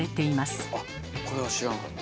あっこれは知らんかった。